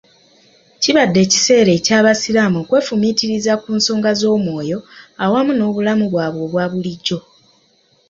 kibadde ekiseera ekya basiraamu okwefumiitiriza ku nsonga z'omwoyo awamu n'obulamu bwabwe obwabulijjo